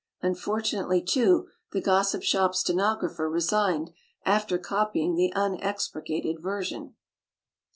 Unfortunately, too, the Gossip Shop stenographer resigned after copying the unexpurgated ver sion.